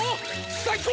最高！